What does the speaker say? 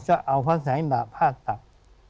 ก็เอาพระแสงดาภาพตัก